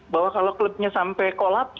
bahwa kalau klubnya sampai kolap